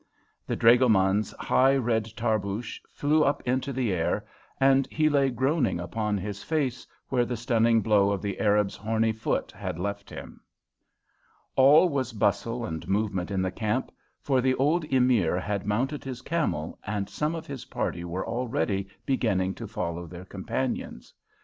The dragoman's high red tarboosh flew up into the air, and he lay groaning upon his face where the stunning blow of the Arab's horny foot had left him. All was bustle and movement in the camp, for the old Emir had mounted his camel, and some of his party were already beginning to follow their companions.